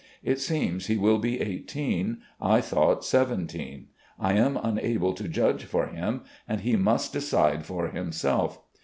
It seems he wiU be eighteen; I thought seventeen. I am unable to judge for him and he must decide for himself.